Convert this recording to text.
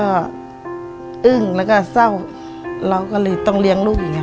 ก็อึ้งแล้วก็เศร้าเราก็เลยต้องเลี้ยงลูกอย่างนี้